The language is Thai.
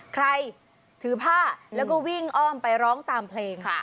ใครถือผ้าแล้วก็วิ่งอ้อมไปร้องตามเพลง